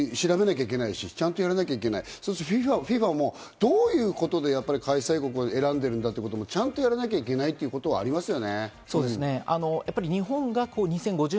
そこに関しては調べなきゃいけないし、ちゃんとやらなきゃいけない、ＦＩＦＡもどういうことで開催国を選んでるんだっていうことも、ちゃんとやらなきゃいけないところはありますね。